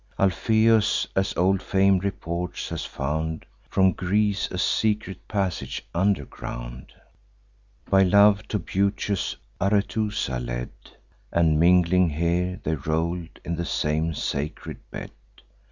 Alpheus, as old fame reports, has found From Greece a secret passage under ground, By love to beauteous Arethusa led; And, mingling here, they roll in the same sacred bed.